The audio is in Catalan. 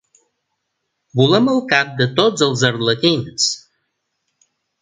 Volem el cap de tots els arlequins.